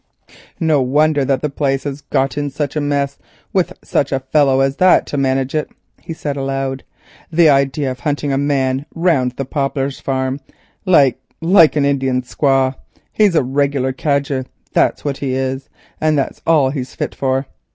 "No wonder that the place has got into a mess with such a fellow as that to manage it," he said aloud. "The idea of hunting a man round the Poplars Farm like—like an Indian squaw! He's a regular cadger, that's what he is, and that's all he's fit for.